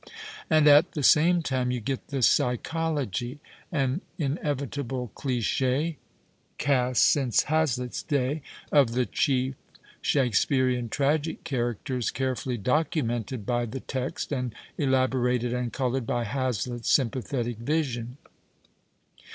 And at the same time you get the " psychology ' (an inevitable cliche, cast since Ilazlitt's day) of the chief Shakespearian tragic ciiaractcrs, cart lully " documented " by tiie text and elaborated and coloured by Ilazlitt's sym pathetic vision.